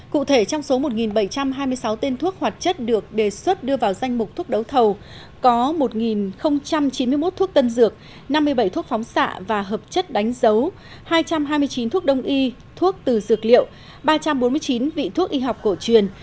cụ thể trong số một bảy trăm hai mươi sáu tên thuốc hoạt chất được đề xuất đưa vào danh mục thuốc đấu thầu có một chín mươi một thuốc tân dược năm mươi bảy thuốc phóng xạ và hợp chất đánh dấu hai trăm hai mươi chín thuốc đông y thuốc từ dược liệu ba trăm bốn mươi chín vị thuốc y học cổ truyền